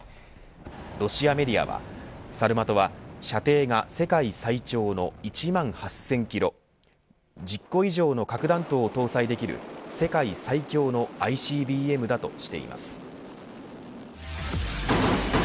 ロシアメディアはサルマトは射程が世界最長の１万８０００キロ１０個以上の核弾頭を搭載できる世界最強のＩＣＢＭだとしています。